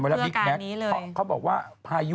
เค้าบอกว่าภายุครั้งนี้น่าจะหนักกว่าสมกว่า